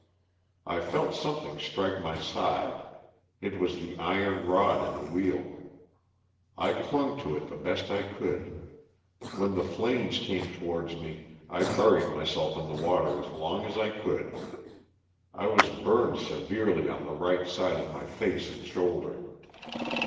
I felt something strike my side. It was the iron rod in the wheel. I clung to it the best I could. When the flames came towards me I buried myself in the water as long as I could. I was burned severely on the right side of my face and shoulder.